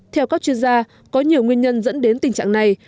theo các chuyên gia có nhiều nguyên nhân dẫn đến tình trạng này